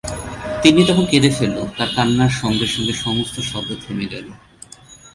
তিন্নি তখন কোঁদে ফেলল, তার কান্নার সঙ্গে-সঙ্গে সমস্ত শব্দ থেমে গেল।